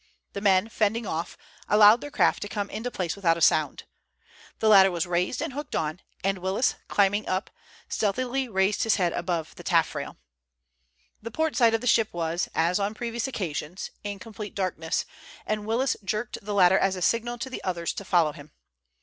The men, fending off, allowed their craft to come into place without sound. The ladder was raised and hooked on, and Willis, climbing up, stealthily raised his head above the taffrail. The port side of the ship was, as on previous occasions, in complete darkness, and Willis jerked the ladder as a signal to the others to follow him.